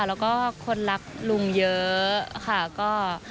แล้วก็คนรักลุงเยอะค่ะ